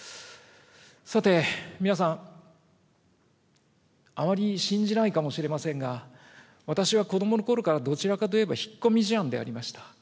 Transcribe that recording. さて、皆さん、あまり信じないかもしれませんが、私は子どものころからどちらかといえば引っ込み思案でありました。